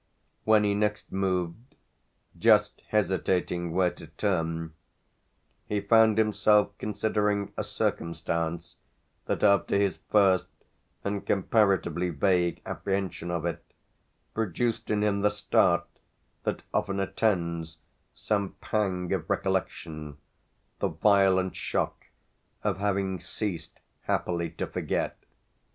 When he next moved, just hesitating where to turn, he found himself considering a circumstance that, after his first and comparatively vague apprehension of it, produced in him the start that often attends some pang of recollection, the violent shock of having ceased happily to forget.